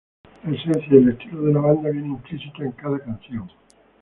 La esencia y el estilo de la banda viene implícita en cada canción.